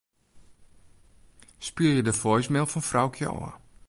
Spylje de voicemail fan Froukje ôf.